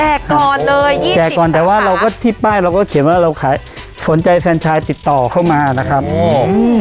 ก่อนเลยอย่างงี้แจกก่อนแต่ว่าเราก็ที่ป้ายเราก็เขียนว่าเราขายสนใจแฟนชายติดต่อเข้ามานะครับโอ้